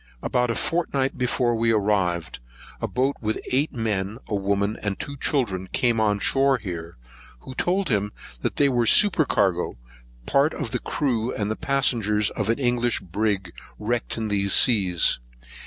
About a fortnight before we arrived, a boat, with eight men, a woman, and two children, came on shore here, who told him they were the supercargo, part of the crew, and passengers of an English brig, wrecked in these seas.